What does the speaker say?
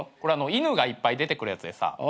犬がいっぱい出てくるやつ。